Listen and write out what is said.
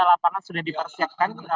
tiga lapangan sudah dipersiapkan